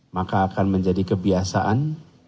maka akan menjadi kebiasaan